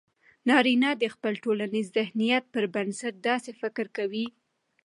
نارينه د خپل ټولنيز ذهنيت پر بنسټ داسې فکر کوي